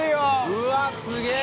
うわすげぇ！